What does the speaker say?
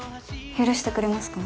許してくれますか？